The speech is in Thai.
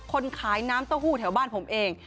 คนขายน้ำเต้าหู้แถวบ้านผมเอง